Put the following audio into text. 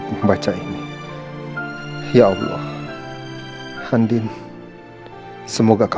dan memperbaiki rumah tangga aku